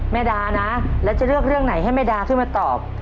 แม่ดานะแล้วจะเลือกเรื่องไหนให้แม่ดาขึ้นมาตอบ